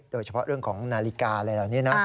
โดยเฉพาะเรื่องของนาฬิกาอะไรเหล่านี้นะ